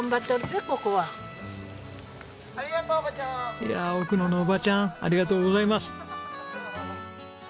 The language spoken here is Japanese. いやあ奧野のおばちゃんありがとうございます。